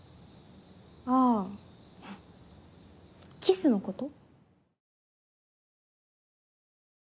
あぁキスのこと？